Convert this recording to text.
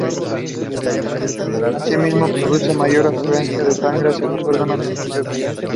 Asimismo produce mayor afluencia de sangre hacia los órganos interiores.